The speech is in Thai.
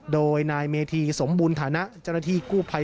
โดยนายเมธีสมบูรณฐานะเจ้าหน้าที่กู้ภัย